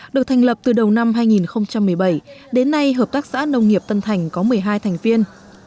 được thành lập từ đầu năm hai nghìn một mươi bảy đến nay hợp tác xã nông nghiệp tân thành có một mươi hai thành viên